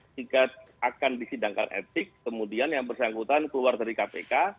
jika akan disidangkan etik kemudian yang bersangkutan keluar dari kpk